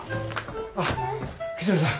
あっ吉兵衛さん。